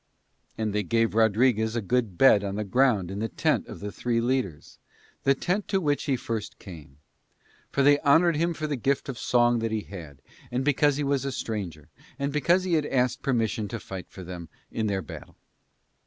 And they gave Rodriguez a good bed on the ground in the tent of the three leaders, the tent to which he first came; for they honoured him for the gift of song that he had, and because he was a stranger, and because he had asked permission to fight for them in their battle.